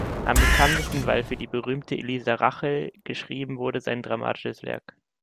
Am bekanntesten, weil für die berühmte Elisa Rachel geschrieben, wurde sein dramatisches Werk